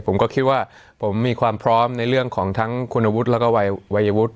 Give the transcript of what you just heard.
ผมก็คิดว่าผมมีความพร้อมในเรื่องของทั้งคุณวุฒิแล้วก็วัยวุฒิ